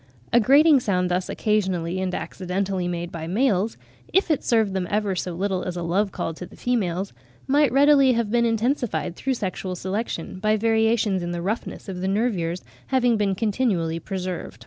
A grating sound thus occasionally and accidentally made by the males, if it served them ever so little as a love call to the females, might readily have been intensified through sexual selection, by variations in the roughness of the nervures having been continually preserved.